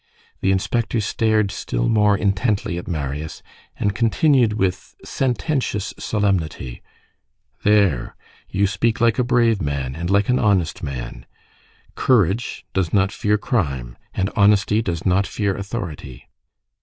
The inspector stared still more intently at Marius, and continued with sententious solemnity:— "There, you speak like a brave man, and like an honest man. Courage does not fear crime, and honesty does not fear authority."